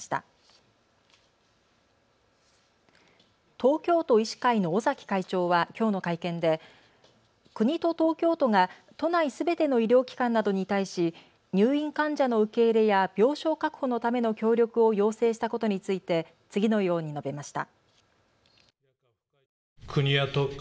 東京都医師会の尾崎会長はきょうの会見で国と東京都が都内すべての医療機関などに対し入院患者の受け入れや病床確保のための協力を要請したことについて次のように述べました。